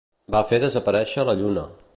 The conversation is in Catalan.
Va fer desapareixer la lluna.